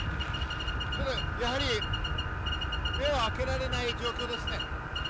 やはり目を開けられない状況です。